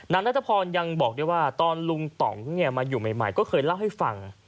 นัทพรยังบอกด้วยว่าตอนลุงต่องมาอยู่ใหม่ก็เคยเล่าให้ฟัง